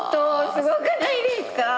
すごくないですか？